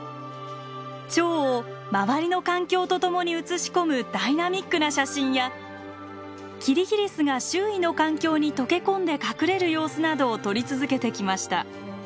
チョウを周りの環境とともに写し込むダイナミックな写真やキリギリスが周囲の環境に溶け込んで隠れる様子などを撮り続けてきました。